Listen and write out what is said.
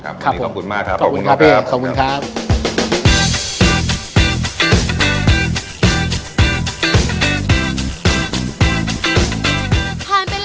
ขอบคุณมากครับ